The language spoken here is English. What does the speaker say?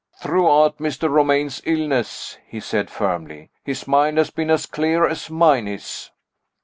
"Throughout Mr. Romayne's illness," he said firmly, "his mind has been as clear as mine is."